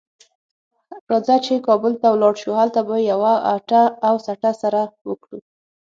راځه چې کابل ته ولاړ شو؛ هلته به یوه هټه او سټه سره وکړو.